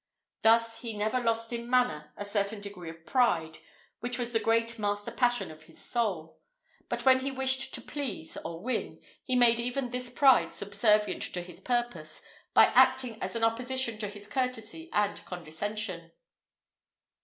Thus he never lost in manner a certain degree of pride, which was the great master passion of his soul; but when he wished to please or win, he made even this pride subservient to his purpose, by acting as an opposition to his courtesy and condescension.